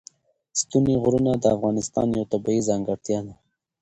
ستوني غرونه د افغانستان یوه طبیعي ځانګړتیا ده.